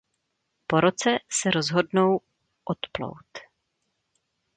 Po roce se rozhodnou odplout.